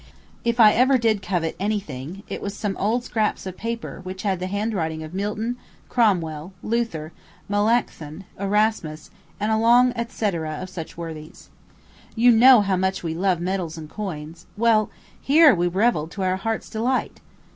If ever I did covet any thing, it was some old scraps of paper which had the handwriting of Milton, Cromwell, Luther, Melancthon, Erasmus, and a long et cætera of such worthies. You know how much we love medals and coins; well, here we revelled to our heart's delight.